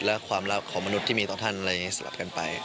และความรักของมนุษย์ที่มีต่อท่านอะไรอย่างนี้สลับกันไป